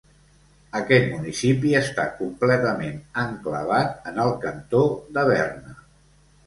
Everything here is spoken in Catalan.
Aquest municipi està completament enclavat en el Cantó de Berna.